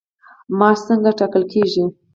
معاش څنګه ټاکل کیږي؟